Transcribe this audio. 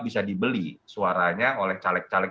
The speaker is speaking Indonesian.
bisa dibeli suaranya oleh caleg caleg